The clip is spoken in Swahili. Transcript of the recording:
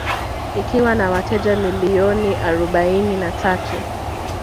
Ikiwa na wateja milioni arobaini na tatu